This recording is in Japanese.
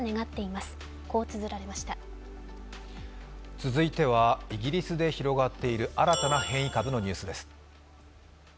続いては、イギリスで広がっている新たな変異株のニュースです。